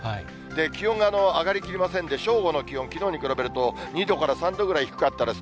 気温が上がりきりませんで、正午の気温、きのうに比べると２度から３度くらい低かったです。